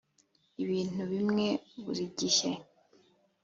ibintu bimwe buri gihe